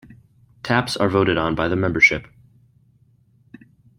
Taps are voted on by the membership.